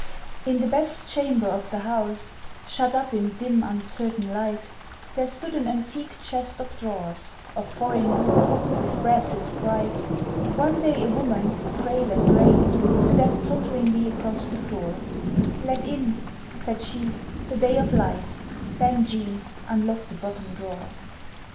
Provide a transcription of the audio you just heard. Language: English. In the best chamber of the house, Shut up in dim, uncertain light, There stood an antique chest of drawers, Of foreign wood, with brasses bright. One day a woman, frail and gray, Stepped totteringly across the floor "Let in," said she, "the light of day, Then, Jean, unlock the bottom drawer."